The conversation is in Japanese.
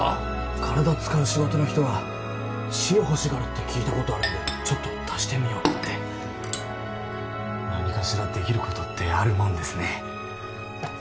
体使う仕事の人は塩欲しがるって聞いたことあるんでちょっと足してみようかって何かしらできることってあるもんですね